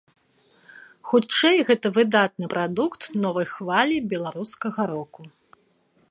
Хутчэй гэта выдатны прадукт новай хвалі беларускага року.